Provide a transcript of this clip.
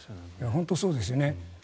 本当にそうですよね。